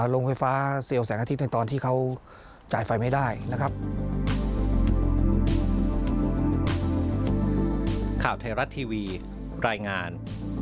โรงไฟฟ้าเซลล์แสงอาทิตย์ในตอนที่เขาจ่ายไฟไม่ได้นะครับ